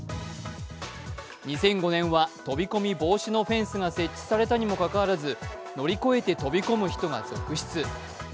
２００５年は、飛び込み防止のフェンスが設置されたにもかかわらず乗り越えて飛び込む人が続出。